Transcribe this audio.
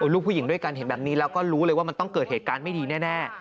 ลูกผู้หญิงด้วยกันเห็นแบบนี้แล้วก็รู้เลยว่ามันต้องเกิดเหตุการณ์ไม่ดีแน่